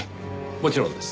もちろんです。